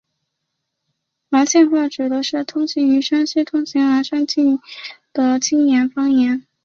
岚县话指的是通行于山西省岚县境内的晋语方言。